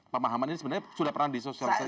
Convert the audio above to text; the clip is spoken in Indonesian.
pemahaman ini sebenarnya sudah pernah disosialisasikan